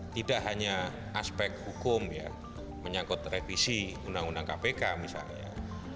tidak hanya aspek hukum ya menyangkut revisi undang undang kpk misalnya